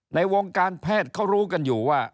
ในวงการแพทย์เขารู้กันอยู่ว่า